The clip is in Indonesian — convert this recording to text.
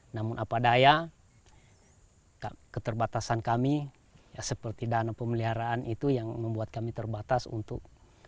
namun apa daya keterbatasan kami seperti dana pemeliharaan itu yang membuat kami terbatas untuk